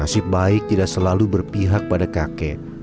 nasib baik tidak selalu berpihak pada kakek